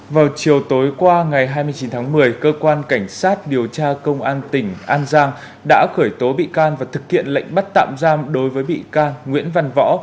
vào chiều tối qua ngày hai mươi chín tháng một mươi cơ quan cảnh sát điều tra công an tỉnh an giang đã khởi tố bị can và thực hiện lệnh bắt tạm giam đối với bị can nguyễn văn võ